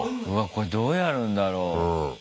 これどうやるんだろう。